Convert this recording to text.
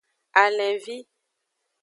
Alenvi.